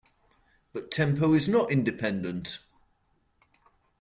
But tempo is not independent!